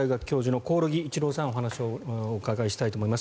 神田外語大学教授の興梠一郎さんにお話をお伺いしたいと思います。